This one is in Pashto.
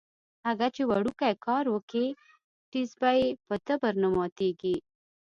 اگه چې وړوکی کار وکي ټيز يې په تبر نه ماتېږي.